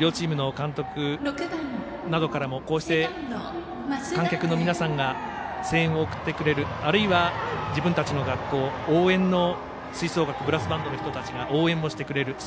両チームの監督などからもこうして観客の皆さんが声援を送ってくれるあるいは、自分たちの学校の吹奏楽やブラスバンドの人たちが応援をしてくれる。